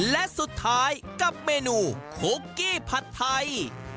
และสุดท้ายกับเมนูคุกกี้ผัดไทย